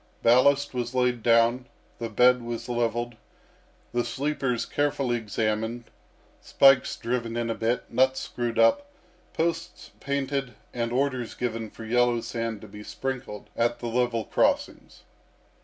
Ballast was laid down, the bed was levelled, the sleepers carefully examined, spikes driven in a bit, nuts screwed up, posts painted, and orders given for yellow sand to be sprinkled at the level crossings.